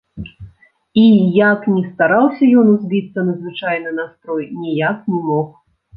І як ні стараўся ён узбіцца на звычайны настрой, ніяк не мог.